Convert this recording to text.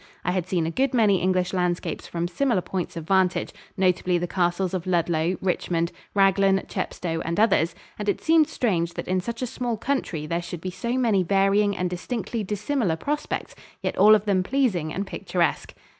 I had seen a good many English landscapes from similar points of vantage, notably the castles of Ludlow, Richmond, Raglan, Chepstow and others, and it seemed strange that in such a small country there should be so many varying and distinctly dissimilar prospects, yet all of them pleasing and picturesque.